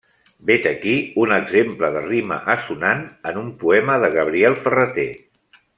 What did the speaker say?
Vet aquí un exemple de rima assonant en un poema de Gabriel Ferrater.